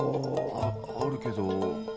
ああるけど？